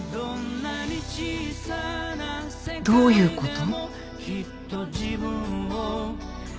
どういうこと？